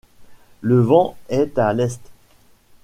Le vent est à l’est.